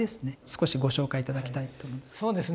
少しご紹介頂きたいと思います。